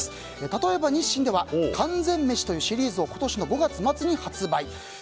例えば日清では完全メシというシリーズを今年５月末に発売。